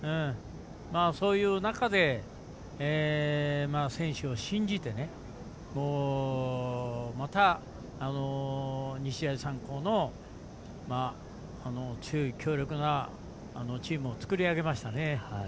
そういう中で選手を信じてまた、日大三高の強い強力なチームを作り上げましたね。